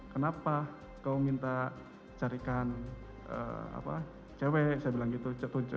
kenapa kau minta carikan cewek saya bilang gitu